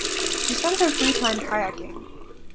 She spends her free time kayaking.